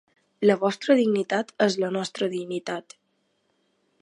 La vostra dignitat és la nostra dignitat!